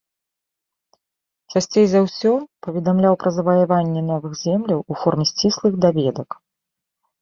Часцей за ўсё паведамляў пра заваяванне новых земляў у форме сціслых даведак.